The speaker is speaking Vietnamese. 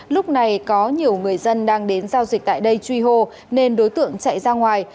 lúc này có nhiều người dân đang đến giao dịch tại đây truy hô nên đối tượng chạy ra ngoài